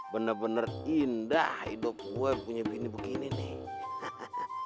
bener bener indah hidup gue punya bini begini nih